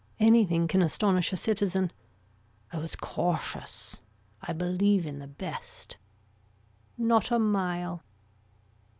Anything can astonish a citizen. I was cautious. I believe in the best. Not a mile.